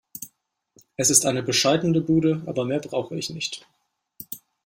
Es ist eine bescheidene Bude, aber mehr brauche ich nicht.